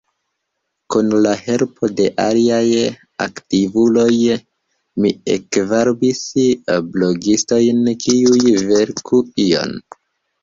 Kun la helpo de aliaj aktivuloj, mi ekvarbis blogistojn kiuj verku ion.